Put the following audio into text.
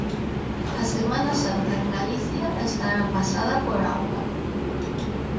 A Semana Santa en Galicia estará pasada por auga